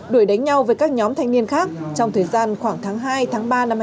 đuổi đánh nhau với các nhóm thanh niên khác trong thời gian khoảng tháng hai tháng ba năm hai nghìn hai mươi